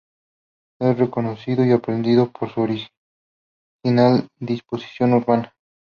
Es reconocido y apreciado por su original disposición urbana.